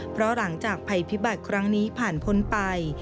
เพราะหลังจากภัยพิบัติครั้งนี้ผ่านพ้นไป